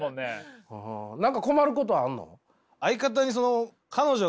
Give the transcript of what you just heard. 何か困ることあんの？